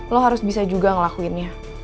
lo harus bisa juga ngelakuinnya